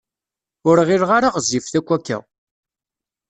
Ur ɣileɣ ara ɣezzifet akk akka.